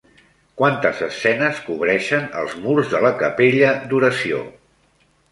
Quantes escenes cobreixen els murs de la capella d'oració?